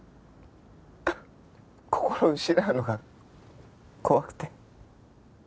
こころを失うのが怖くて。